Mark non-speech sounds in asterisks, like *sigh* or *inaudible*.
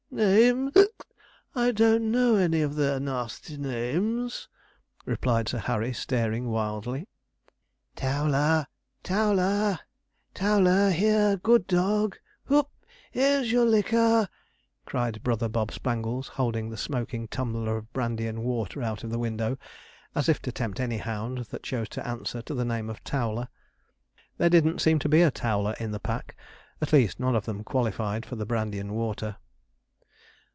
'Names! *hiccups* I don't know any of their nasty names,' replied Sir Harry, staring wildly. 'Towler! Towler! Towler! here, good dog hoop! here's your liquor!' cried brother Bob Spangles, holding the smoking tumbler of brandy and water out of the window, as if to tempt any hound that chose to answer to the name of Towler. There didn't seem to be a Towler in the pack; at least, none of them qualified for the brandy and water.